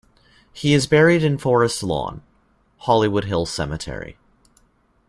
He is buried in Forest Lawn - Hollywood Hills Cemetery.